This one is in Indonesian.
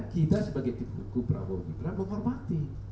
kita sebagai kubuku prabowo gibera menghormati